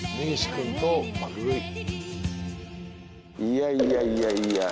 いやいやいやいや。